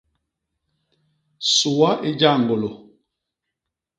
Sua i jañgôlô.